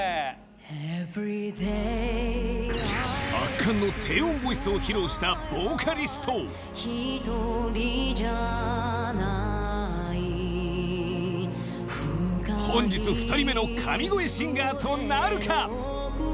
Ｅｖｅｒｙｄａｙ 圧巻の低音ボイスを披露したボーカリストひとりじゃない本日２人目の神声シンガーとなるか？